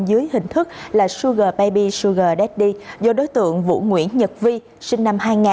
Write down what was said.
dưới hình thức sugar baby sugar daddy do đối tượng vũ nguyễn nhật vi sinh năm hai nghìn